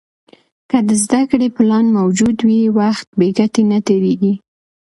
که د زده کړې پلان موجود وي، وخت بې ګټې نه تېرېږي.